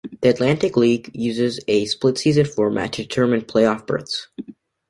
The Atlantic League uses a split-season format to determine playoff berths.